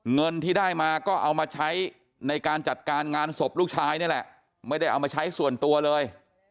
เงินที่ได้มาก็เอามาใช้ในการจัดการงานศพลูกชายนี่แหละไม่ได้เอามาใช้ส่วนตัวเลย